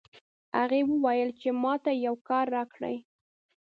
هغې وویل چې ما ته یو کار راکړئ